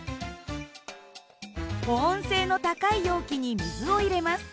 保温性の高い容器に水を入れます。